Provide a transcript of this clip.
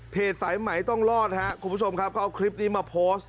เพจสายไหมต้องรอดฮะคุณผู้ชมครับก็เอาคลิปนี้มาโพสต์